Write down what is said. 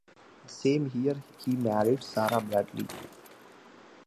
That same year he married Sarah Bradley.